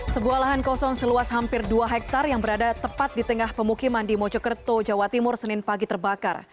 sebuah lahan kosong seluas hampir dua hektare yang berada tepat di tengah pemukiman di mojokerto jawa timur senin pagi terbakar